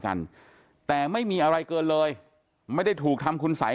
พ่อเขาหรอแล้วเราได้คิดอะไรกับเขาไหมครับพูดตรงเลย